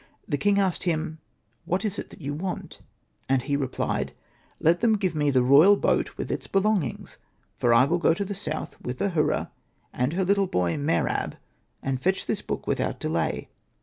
The king asked him, ' What is it that you want ?' and he replied, ' Let them give me the royal boat with its belongings, for I will go to the south with Ahura and her little boy Mer ab, and fetch this book without delay.'